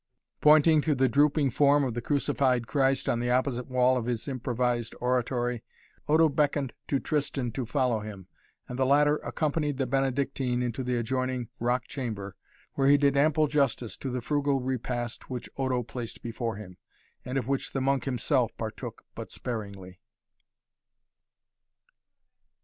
Pointing to the drooping form of the crucified Christ on the opposite wall of his improvised oratory, Odo beckoned to Tristan to follow him, and the latter accompanied the Benedictine into the adjoining rock chamber, where he did ample justice to the frugal repast which Odo placed before him, and of which the monk himself partook but sparingly.